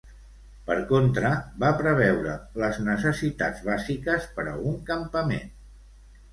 Per contra, va preveure les necessitats bàsiques per a un campament.